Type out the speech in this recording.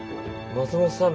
松本さん